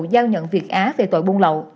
giao nhận việt á về tội buôn lậu